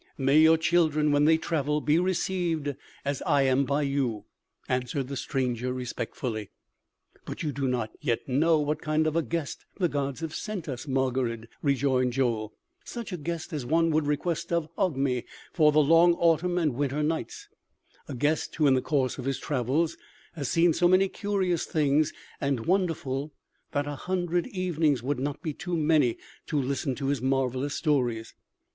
"May your children when they travel, be received as I am by you," answered the stranger respectfully. "But you do not yet know what kind of a guest the gods have sent us, Margarid," rejoined Joel; "such a guest as one would request of Ogmi for the long autumn and winter nights; a guest who in the course of his travels has seen so many curious things and wonderful that a hundred evenings would not be too many to listen to his marvelous stories."